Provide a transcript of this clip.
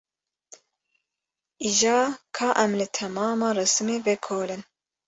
Îja ka em li temama resimê vekolin.